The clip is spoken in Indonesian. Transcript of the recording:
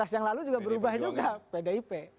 dua ribu empat belas yang lalu juga berubah juga pdip